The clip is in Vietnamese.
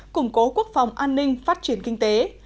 củng cố quốc phòng an ninh phát triển kinh tế